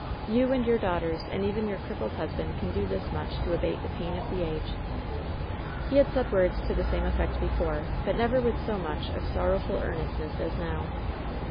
You and your daughters and even your crippled husband can do this much to abate the pain of the age!" He had said words to the same effect before, but nevw with so much of sorrowful earnestness as now.